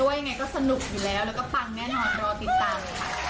ยังไงก็สนุกอยู่แล้วแล้วก็ปังแน่นอนรอติดตามเลยค่ะ